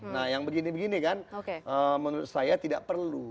nah yang begini begini kan menurut saya tidak perlu